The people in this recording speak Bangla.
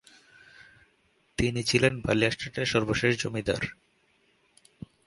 তিনি ছিলেন বালিয়া স্টেটের সর্বশেষ জমিদার।